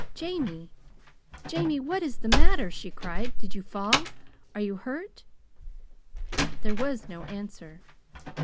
"Jamie, Jamie, what is the matter?" she cried. "Did you fall? Are you hurt?" There was no answer.